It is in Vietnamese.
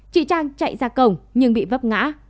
chị trang chạy ra cổng nhưng bị vấp ngã